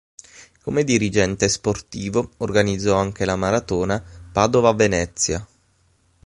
Come dirigente sportivo, organizzò anche la maratona Padova-Venezia.